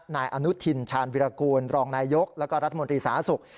นายอนุทินชาญวิรากูลรองนายยกแล้วก็รัฐมนตรีสาธารณสุข